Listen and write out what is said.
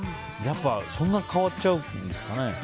そんなに変わっちゃうんですかね。